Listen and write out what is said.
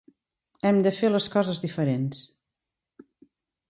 Hem de fer les coses diferents.